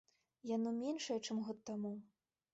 Яно меншае, чым год таму.